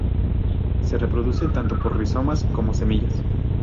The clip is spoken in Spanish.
Se reproduce tanto por rizomas como semillas.